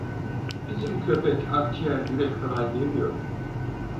Bizim köpek akciğer, yürek filan yemiyor.